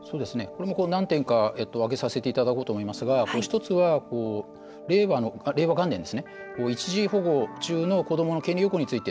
何点か挙げさせていただこうと思いますが、１つは令和元年、一時保護所中の子どもの権利擁護について。